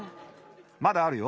まだあるよ。